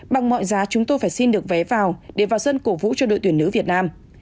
bằng mọi giá chúng tôi phải xin được vé vào để vào sân cổ vũ cho đội tuyển nữ việt nam